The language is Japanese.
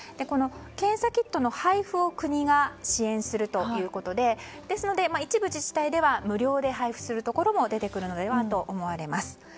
検査キットの配布を国が支援するということでですので一部自治体では無料で配布するところも出てくるのではと思われます。